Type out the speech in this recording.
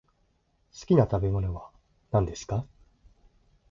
好きな食べ物は何ですか？